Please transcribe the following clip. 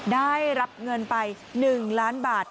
ได้รับเงินไปหนึ่งล้านบาท